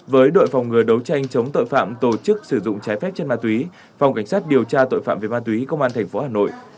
với đội phòng ngừa đấu tranh chống tội phạm tổ chức sử dụng trái phép chất ma túy phòng cảnh sát điều tra tội phạm về ma túy công an tp hà nội